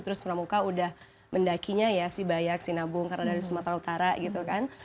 terus pramuka udah mendakinya ya si bayak sinabung karena dari sumatera utara gitu kan